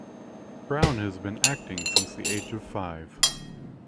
Brown has been acting since the age of five.